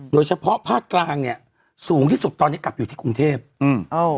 โดยเฉพาะภาคกลางเนี้ยสูงที่สุดตอนนี้กลับอยู่ที่กรุงเทพอืมเอ้า